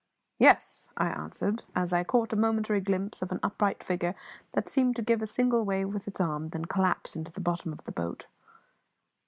"Yes," I answered, as I caught a momentary glimpse of an upright figure that seemed to give a single wave with its arm and then collapse into the bottom of the boat.